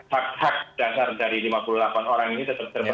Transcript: hak hak dasar dari lima puluh delapan orang ini tetap termenuhi oleh negara gitu